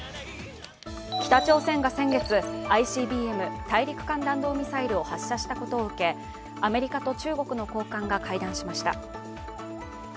北朝鮮が先月、ＩＣＢＭ＝大陸間弾道ミサイルを発射したことを受けアメリカと中国の高官が会談しました。